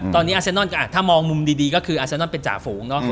ตอนนี้อาเซนอนก็ถ้ามองมุมดีก็คืออาเซนนอนเป็นจ่าฝูงเนาะ